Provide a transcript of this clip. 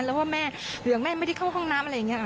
แล้วว่าแม่เหลืองแม่ไม่ได้เข้าห้องน้ำอะไรอย่างนี้ค่ะ